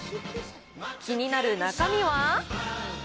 気になる中身は？